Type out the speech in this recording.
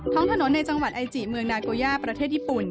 งถนนในจังหวัดไอจิเมืองนาโกย่าประเทศญี่ปุ่น